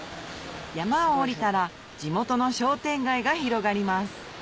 山を下りたら地元の商店街が広がります